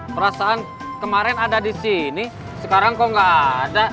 perasaan kemarin ada di sini sekarang kok nggak ada